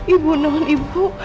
ibu noladi ibu